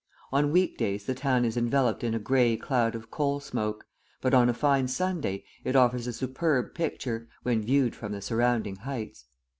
On week days the town is enveloped in a grey cloud of coal smoke, but on a fine Sunday it offers a superb picture, when viewed from the surrounding heights.